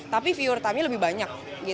tapi viewer time nya lebih banyak